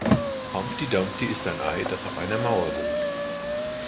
Humpty Dumpty ist ein Ei, das auf einer Mauer wohnt.